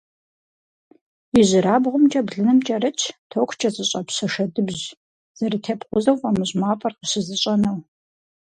ИжьырабгъумкӀэ блыным кӀэрытщ токкӀэ зыщӀэпщэ шэдыбжь – зэрытепкъузэу фӀамыщӀ мафӀэр къыщызэщӀэнэу.